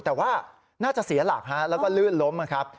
แต่ว่าน่าจะเสียหลักฮะแล้วก็ลื่นล้มนะครับ